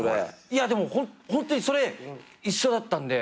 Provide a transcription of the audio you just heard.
いやでもホントにそれ一緒だったんで。